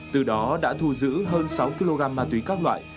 từ đó đã thu giữ hơn sáu kg ma túy các loại